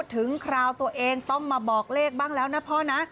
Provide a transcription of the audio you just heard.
คราวตัวเองต้องมาบอกเลขบ้างแล้วนะพ่อนะ